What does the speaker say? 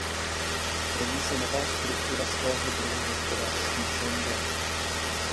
Rodí se nová struktura, svého druhu hospodářský Schengen.